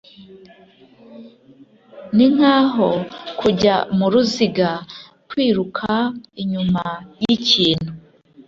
ninkaho kujya muruziga, kwiruka inyuma yikintu